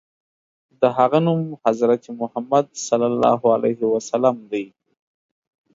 د هغه نوم حضرت محمد ص دی.